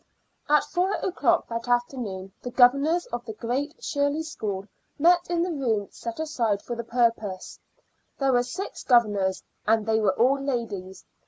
At four o'clock that afternoon the governors of the Great Shirley School met in the room set aside for the purpose. There were six governors, and they were all ladies.